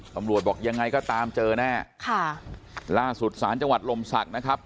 บอกยังไงก็ตามเจอแน่ค่ะล่าสุดศาลจังหวัดลมศักดิ์นะครับ